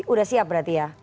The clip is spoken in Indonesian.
udah siap berarti ya